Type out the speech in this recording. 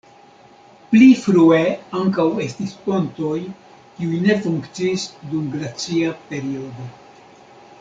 Pli frue ankaŭ estis pontoj, kiuj ne funkciis dum glacia periodo.